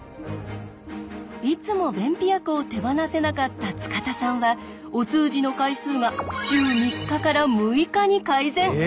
いつも便秘薬を手放せなかった塚田さんはお通じの回数が週３日から６日に改善！